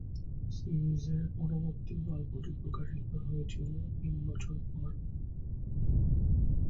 সিরিজের পরবর্তী গল্পটি প্রকাশিত হয়েছিল তিন বছর পরে।